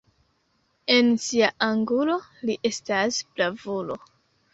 En sia angulo li estas bravulo.